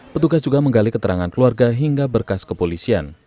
petugas juga menggali keterangan keluarga hingga berkas kepolisian